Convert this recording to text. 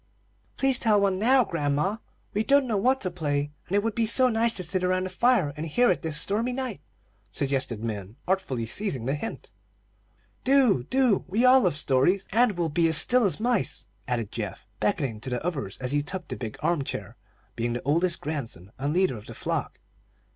"Please tell one now, grandma. We don't know what to play, and it would be so nice to sit around the fire and hear it this stormy night," suggested Min, artfully seizing the hint. "Do! Do! We all love stories, and we'll be as still as mice," added Geoff, beckoning to the others as he took the big arm chair, being the oldest grandson and leader of the flock.